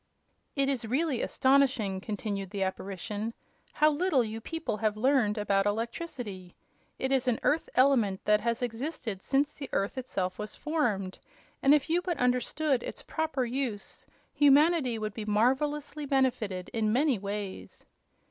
"It is really astonishing," continued the Apparition, "how little you people have learned about electricity. It is an Earth element that has existed since the Earth itself was formed, and if you but understood its proper use humanity would be marvelously benefited in many ways."